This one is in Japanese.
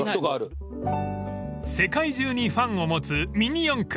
［世界中にファンを持つミニ四駆］